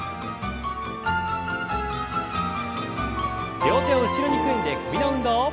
両手を後ろに組んで首の運動。